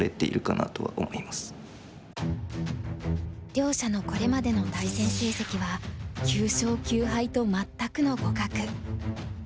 両者のこれまでの対戦成績は９勝９敗と全くの互角。